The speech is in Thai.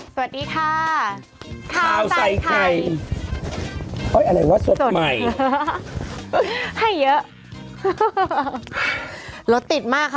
สวัสดีค่ะข้าวใส่ไข่อะไรวะสดใหม่ให้เยอะรถติดมากค่ะ